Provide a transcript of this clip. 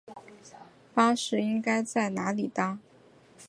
巴士应该在哪里搭？